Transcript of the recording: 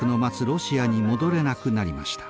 ロシアに戻れなくなりました。